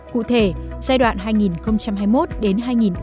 cụ thể giai đoạn hai nghìn hai mươi một đến hai nghìn hai mươi năm